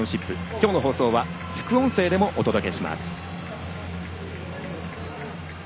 今日の放送は副音声でもお届けします。